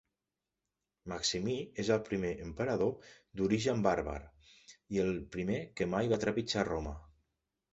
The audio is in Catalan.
Maximí és el primer emperador d'origen bàrbar i el primer que mai va trepitjar Roma.